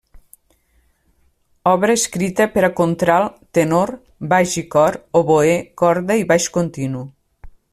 Obra escrita per a contralt, tenor, baix i cor; oboè, corda i baix continu.